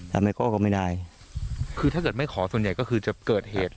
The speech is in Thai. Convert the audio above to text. แต่ไม่โก้ก็ไม่ได้คือถ้าเกิดไม่ขอส่วนใหญ่ก็คือจะเกิดเหตุ